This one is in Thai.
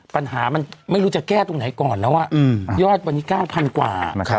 ปัญหามันไม่รู้จะแก้ตรงไหนก่อนแล้วว่าอืมยอดวันนี้เก้าพันกว่านะครับ